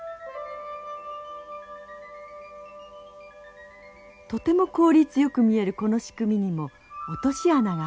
とても効率よく見えるこの仕組みにも落とし穴がありました。